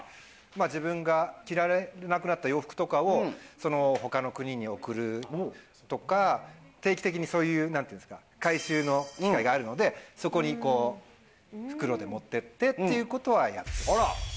自分が着られなくなった洋服とかを、ほかの国に送るとか、定期的にそういうなんていうんですか、回収の機会があるので、そこに袋で持ってってということは、やってます。